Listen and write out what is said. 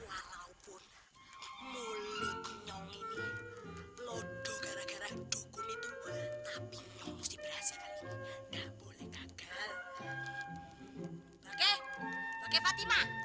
walaupun mulut nyong ini lodo gara gara dukun itu